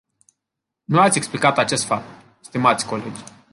Nu ați explicat acest fapt, stimați colegi.